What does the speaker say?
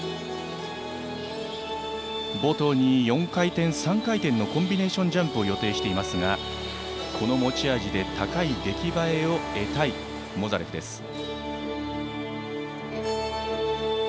冒頭に４回転、３回転のコンビネーションジャンプを予定していますがこの持ち味で高い出来栄えを得たいモザレフです。